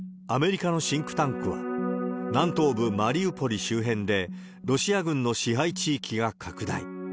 アメリカのシンクタンクは、南東部マリウポリ周辺でロシア軍の支配地域が拡大。